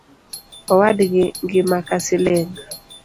Owadgi ngima ka siling